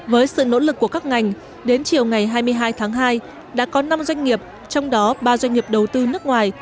với sự nỗ lực của các ngành đến chiều ngày hai mươi hai tháng hai đã có năm doanh nghiệp trong đó ba doanh nghiệp đầu tư nước ngoài